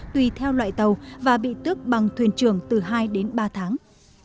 tùy theo loại tàu và bị tước bằng thuyền trường từ hai đến ba tháng